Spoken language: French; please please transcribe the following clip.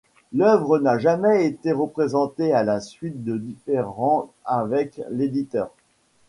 L'œuvre n'a jamais été représentée à la suite de différends avec l'éditeur.